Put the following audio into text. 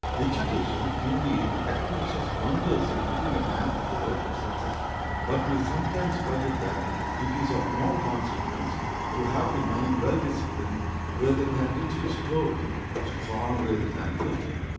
Education, indeed, accomplishes wonders in fitting a man for the work of success, but we sometimes forget that it is of more consequence to have the mind well disciplined rather than richly stored,—strong rather than full.